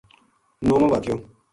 نُووو واقعو